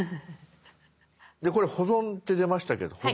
でこれ「保存」って出ましたけど保存。